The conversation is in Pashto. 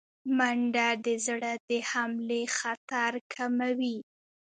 منډه د زړه د حملې خطر کموي